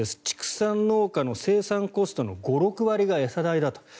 畜産農家の生産コストの５６割が餌代だと。